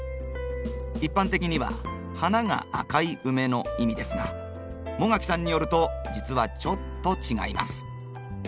一般的には花が赤いウメの意味ですが茂垣さんによると実はちょっと違います。